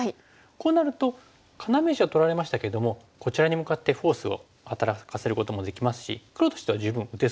こうなると要石は取られましたけどもこちらに向かってフォースを働かせることもできますし黒としては十分打てそうですよね。